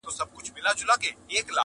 څو پړسېدلي د پردیو په کولمو ټپوسان-